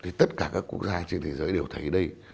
thì tất cả các quốc gia trên thế giới đều thấy đây